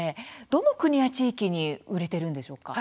どの国や地域に売れているんでしょうか？